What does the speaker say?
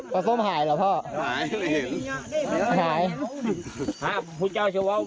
ปลาส้มหายหรอพ่อหายไม่เห็นหายครับพุทธเจ้าเฉวง